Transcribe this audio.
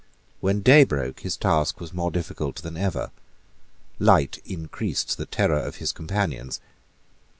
When day broke his task was more difficult than ever. Light increased the terror of his companions.